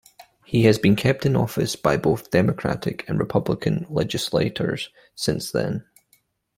He has been kept in office by both Democratic and Republican legislatures since then.